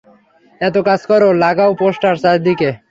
এক কাজ করো, লাগাও পোস্টার চারিদিকে।